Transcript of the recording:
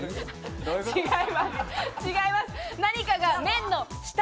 違います。